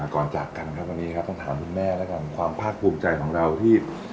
ก่อนจากกันครับวันนี้ครับต้องถามคุณแม่แล้วกันความภาคภูมิใจของเราที่